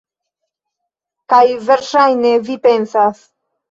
Kaj verŝajne vi pensas: